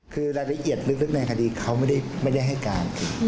คือรายละเอียดลึกในคดีเขาไม่ได้ให้การ